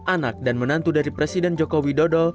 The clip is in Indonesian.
anak dan menantu dari presiden jokowi dodo